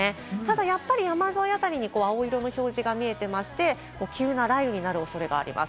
ただやっぱり山沿いあたりに青色の表示が見えていまして、急な雷雨になる恐れがあります。